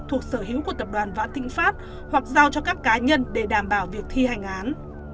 thuộc sở hữu của tập đoàn vạn thịnh pháp hoặc giao cho các cá nhân để đảm bảo việc thi hành án